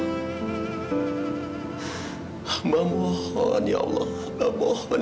hanya kepadamulah kami memohon